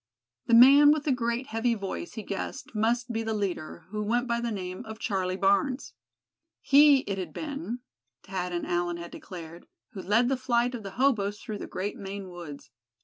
The man with the great, heavy voice he guessed must be the leader, who went by the name of Charlie Barnes. He it had been, Thad and Allan had declared, who led the flight of the hoboes through the great Maine woods.